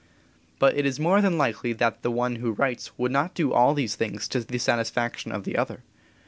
But it is more than likely that the one who writes would not do all these things to the satisfaction of the other.